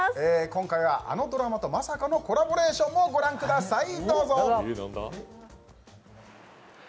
今回はあのドラマとまさかのコラボレーションをご覧ください。